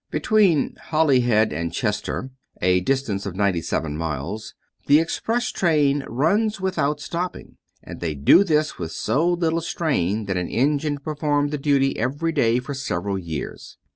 Between Holyhead and Chester, a distance of ninety seven miles, the express trains run without stopping, and they do this with so little strain that an engine performed the duty every day for several years.